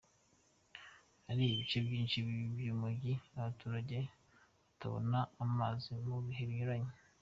Hari ibice byinshi by’umujyi abaturage batabona amazi mu bihe binyuranye.